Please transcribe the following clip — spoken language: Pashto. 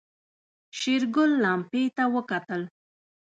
شېرګل لمپې ته وکتل.